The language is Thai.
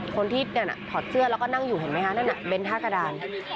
คนที่นั่นถอดเสื้อแล้วก็นั่งอยู่เห็นไหมคะนั่นน่ะเน้นท่ากระดาน